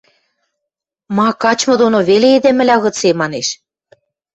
– Ма, качмы доно веле эдем ӹлӓ гыце? – манеш